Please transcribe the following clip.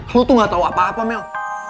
aku tuh gak tau apa apa mel